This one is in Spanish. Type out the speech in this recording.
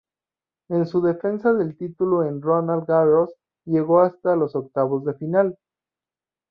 En su defensa del título en Roland Garros llegó hasta los octavos de final.